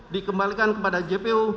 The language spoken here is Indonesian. dikembalikan kepada jpu